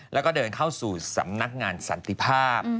แล้วก็เดินเข้าสู่สำนักงานสันติภาพ